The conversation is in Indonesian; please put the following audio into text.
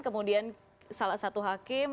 kemudian salah satu hakim